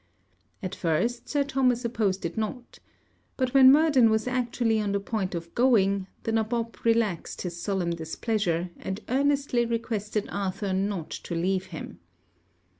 At first, Sir Thomas opposed it not; but when Murden was actually on the point of going, the nabob relaxed his solemn displeasure, and earnestly requested Arthur not to leave him.